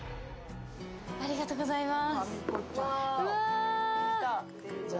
ありがとうございます。